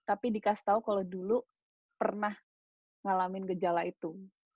tapi dikasih tahu kalau dulu pernah ngalamin gejala itu